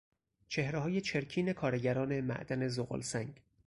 چهرههای چرکین کارگران معدن زغالسنگ